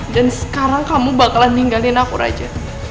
dan sekarang kamu bakalan ninggalin aku raja